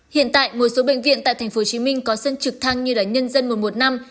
hiện tại một số bệnh viện tại tp hcm có sân trực thăng như là nhân dân một trăm một mươi năm